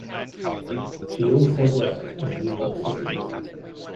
She also worked in New York City.